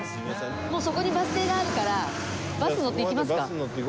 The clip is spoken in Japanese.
もうそこにバス停があるからバス乗って行きますか。